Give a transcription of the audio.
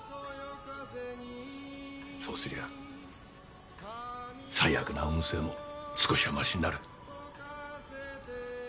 そうすりゃ最悪な運勢も少しはマシになる。